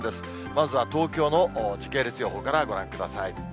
まずは東京の時系列予報からご覧ください。